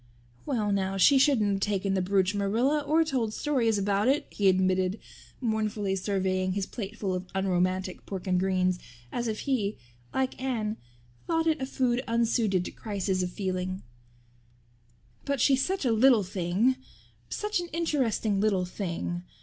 "Well now, she shouldn't have taken the brooch, Marilla, or told stories about it," he admitted, mournfully surveying his plateful of unromantic pork and greens as if he, like Anne, thought it a food unsuited to crises of feeling, "but she's such a little thing such an interesting little thing.